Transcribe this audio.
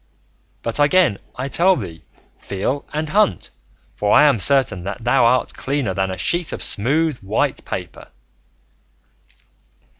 But again I tell thee, feel and hunt, for I am certain thou art cleaner than a sheet of smooth white paper."